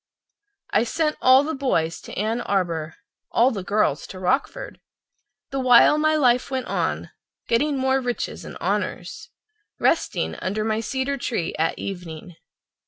I sent all the boys to Ann Arbor, all of the girls to Rockford, The while my life went on, getting more riches and honors— Resting under my cedar tree at evening.